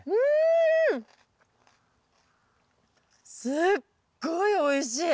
すっごいおいしい。